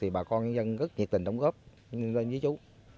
bà con nhân dân rất nhiệt tình đóng góp cho chú